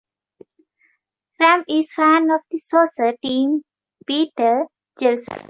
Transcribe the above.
Ram is a fan of the soccer team Beitar Jerusalem.